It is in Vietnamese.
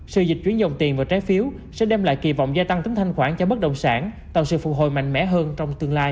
sự dịch chuyển dòng tiền vào trái phiếu sẽ đem lại kỳ vọng gia tăng tính thanh khoản cho bất động sản tạo sự phục hồi mạnh mẽ hơn trong tương lai